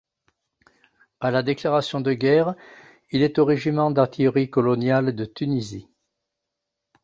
À la déclaration de guerre, il est au Régiment d'artillerie coloniale de Tunisie.